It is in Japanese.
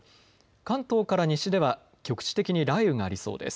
関東から西では局地的に雷雨がありそうです。